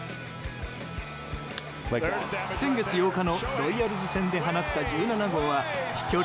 先月８日のロイヤルズ戦で放った１７号は飛距離